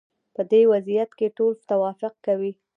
په دې وضعیت کې ټول توافق کوي.